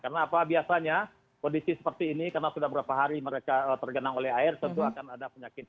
karena apa biasanya kondisi seperti ini karena sudah beberapa hari mereka tergenang oleh air tentu akan ada penyakit